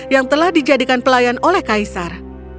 yang telah dijadikan pelayan oleh kaisar